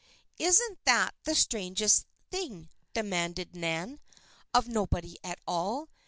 isn't that the strangest thing?" demanded Nan, of nobody at all.